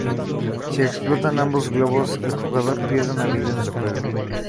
Si explotan ambos globos, el jugador pierde una vida en el juego.